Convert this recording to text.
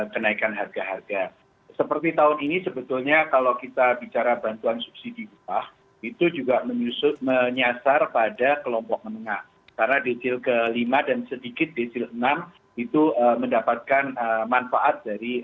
kasihan indonesia newsroom akan segera kembali